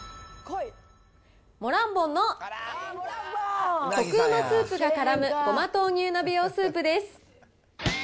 モランボンのコク旨スープがからむごま豆乳鍋用スープです。